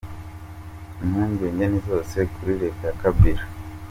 Impungenge ni zose kuri Leta ya Kabila: